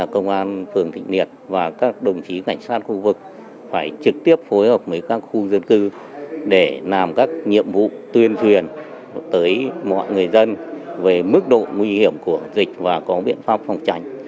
công an phường thịnh liệt và các đồng chí cảnh sát khu vực phải trực tiếp phối hợp với các khu dân cư để làm các nhiệm vụ tuyên truyền tới mọi người dân về mức độ nguy hiểm của dịch và có biện pháp phòng tránh